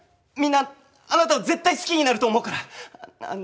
みんなあなたを絶対好きになると思うから！